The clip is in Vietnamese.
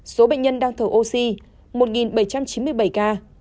số bệnh nhân đang thở oxy một bảy trăm chín mươi bảy ca